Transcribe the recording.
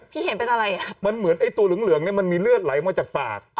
เห็นเป็นอะไรอ่ะมันเหมือนไอ้ตัวเหลืองเหลืองเนี่ยมันมีเลือดไหลออกมาจากปาก